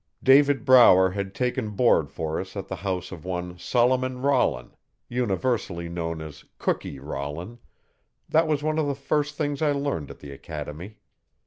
David Brower had taken board for us at the house of one Solomon Rollin universally known as 'Cooky' Rollin; that was one of the first things I learned at the Academy.